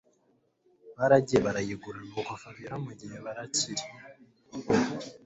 baragiye barayigura nuko Fabiora mugihe barakiri